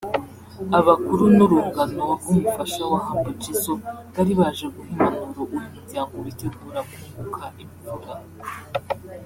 abakuru n'urungano rw'umufasha wa Humble Jizzo bari baje guha impanuro uyu muryango witegura kunguka imfura